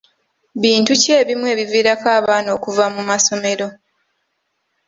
Bintu ki ebimu ebiviirako abaana okuva mu masomero?